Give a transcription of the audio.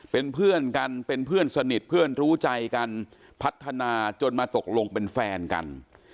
เป็นเพื่อนกันเป็นเพื่อนสนิทเพื่อนรู้ใจกันพัฒนาจนมาตกลงเป็นแฟนกัน